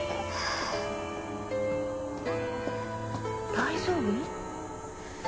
大丈夫？